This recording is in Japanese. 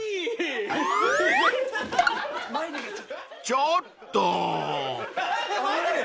［ちょっと！］